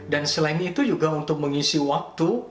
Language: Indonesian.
dan selain itu juga untuk mengisi waktu